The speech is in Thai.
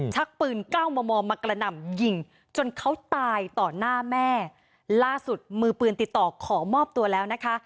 ชักปืนเก้ามอมอมากระหน่ำยิงจนเขาตายต่อหน้าแม่ล่าสุดมือปืนติดต่อขอมอบตัวแล้วนะคะ